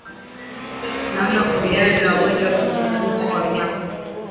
Namna ya kukabiliana na ugonjwa wa kizunguzungu kwa wanyama